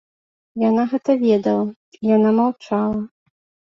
Яна гэта ведала, і яна маўчала.